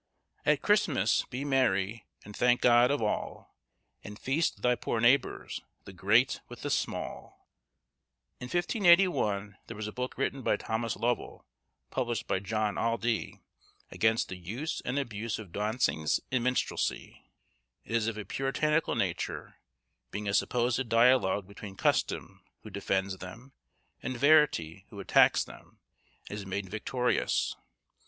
"At Christmas be mery, and thanke god of all; And feast thy pore neighbours, the great with the small." In 1581, there was a book written by Thomas Lovell, published by John Aldee, against the 'Use and Abuse of Dauncinge and Mynstralsye.' It is of a puritanical nature, being a supposed dialogue between Custom who defends them, and Verity who attacks them and is made victorious.